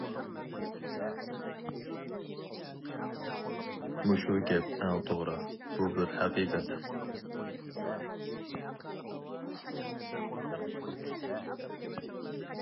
مۇشۇ گەپ ئەڭ توغرا، بۇ بىر ھەقىقەت!